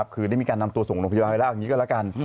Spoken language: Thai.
คือได้มีการนำตัวส่งโรงพยาบาลไปแล้วอย่างนี้ก็แล้วกัน